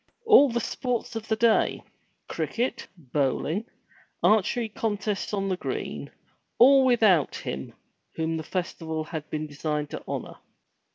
All the sports of the day, — cricket, bowling, archery contests on the green, all without him whom the festival had been designed to honor.